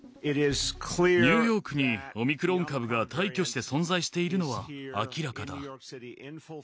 ニューヨークにオミクロン株が大挙して存在しているのは明らかだ。